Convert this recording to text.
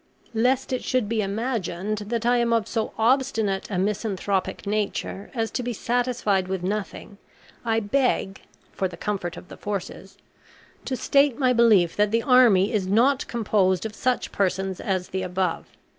Lest it should be imagined that I am of so obstinate a misanthropic nature as to be satisfied with nothing, I beg (for the comfort of the forces) to state my belief that the army is not composed of such persons as the above.